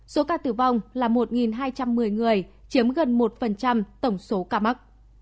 số ca tử vong là một hai trăm một mươi người chiếm gần một tổng số ca mắc